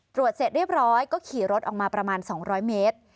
เสร็จเรียบร้อยก็ขี่รถออกมาประมาณ๒๐๐เมตร